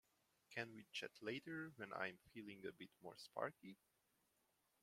Can we chat later when I'm feeling a bit more sparky?